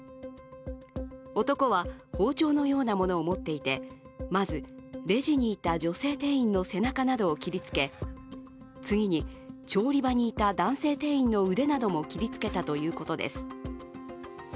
男は包丁のようなものを持っていて、まずレジにいた女性店員の背中などを切りつけ、次に調理場にいた男性店員の腕なども切りつけたということです。